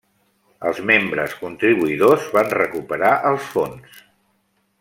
Els membres contribuïdors van recuperar els fons.